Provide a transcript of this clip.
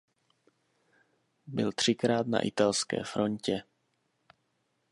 Byl třikrát na italské frontě.